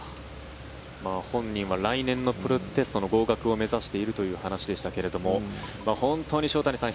本人は来年のプロテストの合格を目指しているという話でしたが本当に塩谷さん